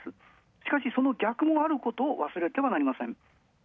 しかし、その逆もあることを忘れてはなりません。